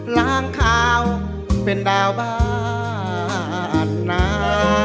ล้างข่าวเป็นดาวบ้านหนา